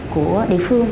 của địa phương